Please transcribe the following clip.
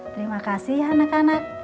terima kasih anak anak